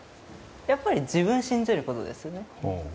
やっぱり自分を信じることですよね。